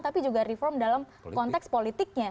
tapi juga reform dalam konteks politiknya